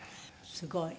すごい。